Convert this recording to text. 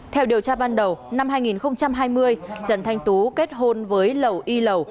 theo điều tra ban đầu năm hai nghìn hai mươi trần thanh tú kết hôn với lậu y lậu